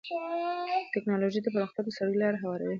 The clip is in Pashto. د ټکنالوجۍ پرمختګ د سوداګرۍ لاره هواروي.